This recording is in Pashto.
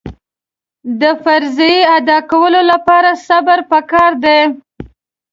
د فریضې ادا کولو لپاره صبر پکار دی.